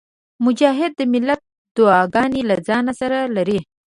مجاهد د ملت دعاګانې له ځانه سره لري.